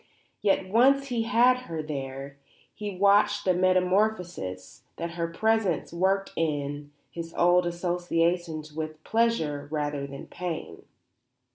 Yet, once he had her there, he watched the metamorphosis that her presence worked in his old associations with pleasure rather than pain.